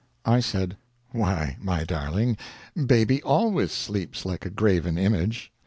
I said: "Why, my darling, Baby always sleeps like a graven image."